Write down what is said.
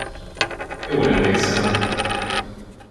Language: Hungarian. Jól emlékszel!